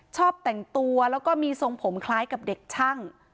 ชอบแต่งตัวแล้วก็มีทรงผมคล้ายกับเด็กช่าง